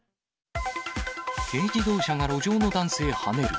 軽自動車が路上の男性はねる。